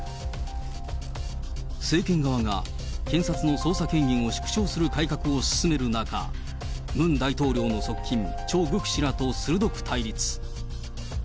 政権側が検察の捜査権限を縮小する改革を進める中、ムン大統領の側近、チョ・グク氏らと鋭く対立。